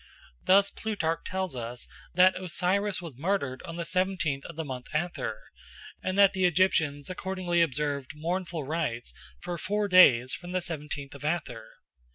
Thus Plutarch tells us that Osiris was murdered on the seventeenth of the month Athyr, and that the Egyptians accordingly observed mournful rites for four days from the seventeenth of Athyr.